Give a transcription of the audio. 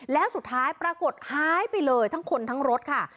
แล้วสุดท้ายปรากฏหายไปเลยทั้งคนทั้งรถค่ะ